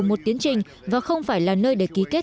một tiến trình và không phải là nơi để ký kết